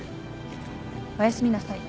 おやすみなさい。